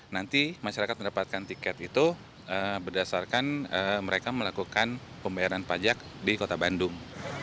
nanti masyarakat mendapatkan tiket itu berdasarkan mereka melakukan pembayaran pajak di kota bandung